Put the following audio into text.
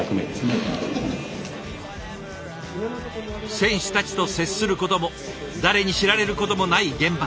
選手たちと接することも誰に知られることもない現場。